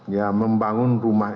yang membangun rumah